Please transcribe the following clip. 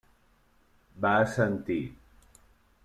Va assentir.